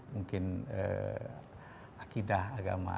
mungkin akidah agama